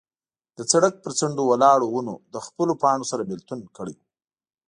د سړک پر څنډو ولاړو ونو له خپلو پاڼو سره بېلتون کړی و.